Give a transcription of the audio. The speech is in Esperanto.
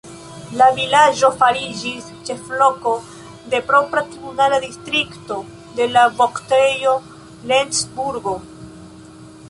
La vilaĝo fariĝis ĉefloko de propra tribunala distrikto de la voktejo Lencburgo.